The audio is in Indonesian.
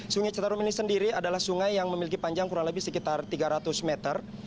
sungai citarum ini sendiri adalah sungai yang memiliki panjang kurang lebih sekitar tiga ratus meter